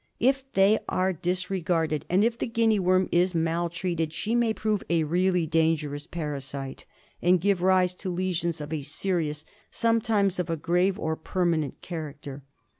If they are disregarded, and if the Guinea worm is maltreated, she may prove a really dangerous parasite and give rise to lesions of a serious, sometimes of a grave or permanent character.